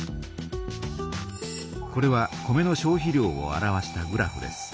これは米の消費量を表したグラフです。